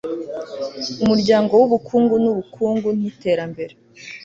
Umuryango wubukungu nubukungu niterambere